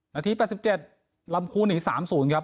นาทีแปดสิบเจ็ดลำพูนหนีสามศูนย์ครับ